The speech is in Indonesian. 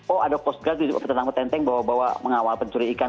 oh ada coast guard di situ tentang petenteng bahwa mengawal pencuri ikan